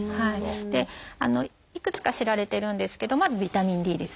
でいくつか知られてるんですけどまずビタミンＤですね。